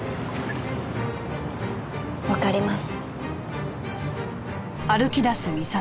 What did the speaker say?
わかります。